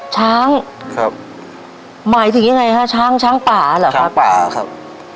ช้างหมายถึงยังไงครับช้างป่าเหรอครับช้างป่าครับ